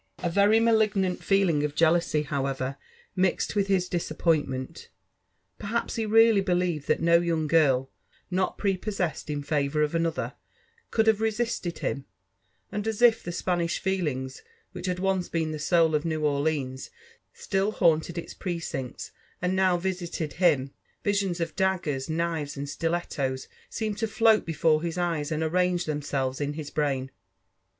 A very malignant feeling of jealousy^ however, mixed with his dis * appointmrat. Perhaps, he really believed that no young girl, not prepossessed in favour of another, could have resisted him ; and as if the Spanish feelings which had once been the soul of New Orleans still haunted its precincts and now visited him, visions of daggers, knives and stilettos seemed to float before his eyes and arrange theiiiselyes in his brain.